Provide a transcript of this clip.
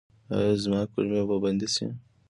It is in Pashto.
ایا زما کولمې به بندې شي؟